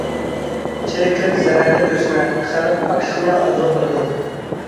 چىرىكلىك زەھەرلىك ئۆسمە، خەلق پاكلىقنى ئارزۇ قىلىدۇ.